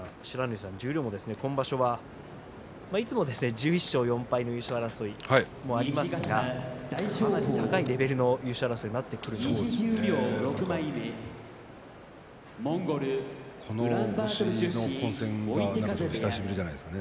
十両も今場所はいつも１１勝４敗で優勝争いというのもありますけれどもかなり高いレベルの優勝争いになってくる感じですね。